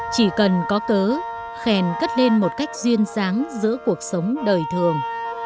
chỉ cần có cớ khen cất lên một cách duyên sáng giữa cuộc sống đời thường